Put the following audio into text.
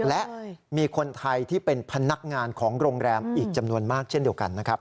และมีคนไทยที่เป็นพนักงานของโรงแรมอีกจำนวนมากเช่นเดียวกันนะครับ